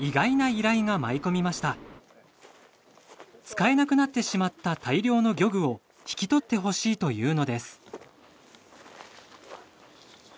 使えなくなってしまった大量の漁具を引き取ってほしいというのです。